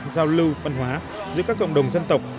giao lưu văn hóa giữa các cộng đồng dân tộc